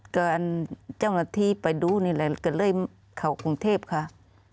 ก็อันเจ้าหน้าที่ไปดูนี่แหละก็เลยเข้ากรุงเทพค่ะ